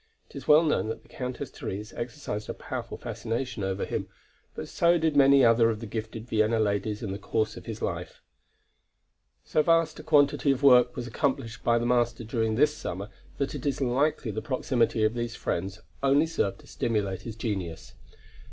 It is well known that the Countess Therese exercised a powerful fascination over him, but so did many another of the gifted Vienna ladies in the course of his life. So vast a quantity of work was accomplished by the master during this summer, that it is likely the proximity of these friends only served to stimulate his genius.